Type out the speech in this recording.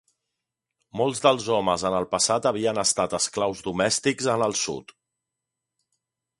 Molts dels homes en el passat havien estat esclaus domèstics en el sud.